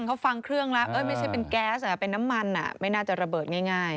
เขาฟังเครื่องแล้วไม่ใช่เป็นแก๊สเป็นน้ำมันไม่น่าจะระเบิดง่าย